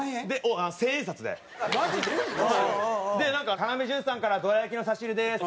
「要潤さんからどら焼きの差し入れです」。